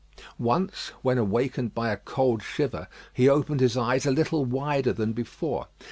Once, when awakened by a cold shiver, he opened his eyes a little wider than before.